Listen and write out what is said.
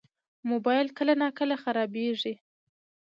موبایل کله ناکله خرابېږي.